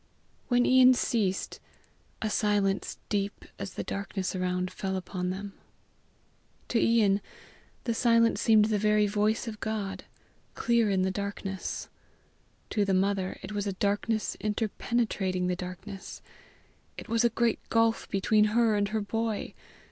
When Ian ceased, a silence deep as the darkness around, fell upon them. To Ian, the silence seemed the very voice of God, clear in the darkness; to the mother it was a darkness interpenetrating the darkness; it was a great gulf between her and her boy.